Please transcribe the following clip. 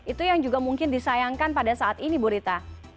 itu yang juga mungkin disayangkan pada saat ini bu rita